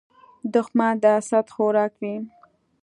دښمن د حسد خوراک وي